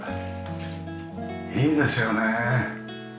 いいですよね。